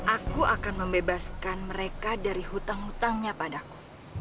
aku akan membebaskan mereka dari hutang hutangnya padaku